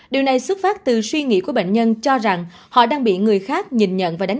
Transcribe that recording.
điều này xuất phát từ suy nghĩ của bệnh nhân cho rằng họ đang bị người khác nhìn nhận